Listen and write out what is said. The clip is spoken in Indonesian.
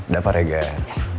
dah pak reger